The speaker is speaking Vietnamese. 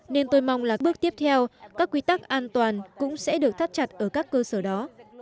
nên tôi mong là bước tiếp theo các quy tắc an toàn cũng sẽ được thắt chặt ở các cơ sở đó